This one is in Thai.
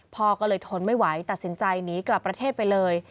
พ่อก็เลยทนไม่ไหวตัดสินใจหนีกลับประเทศไปเลย